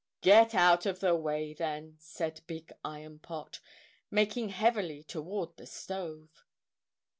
"Get out of the way, then," said Big Iron Pot, making heavily toward the stove.